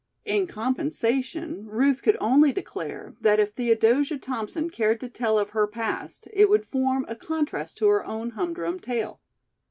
In compensation Ruth could only declare that if Theodosia Thompson cared to tell of her past it would form a contrast to her own humdrum tale.